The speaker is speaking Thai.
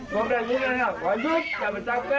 ทำไมอย่าทำพ่อ